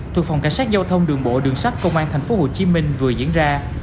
thuộc phòng cảnh sát giao thông đường bộ đường sát công an tp hcm vừa diễn ra